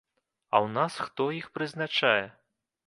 А у нас хто іх прызначае?